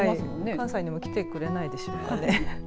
関西にも来てくれないでしょうかね。